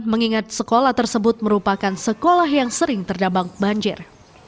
mengingat sekolah tersebut merupakan sekolah yang sering terdampak banjir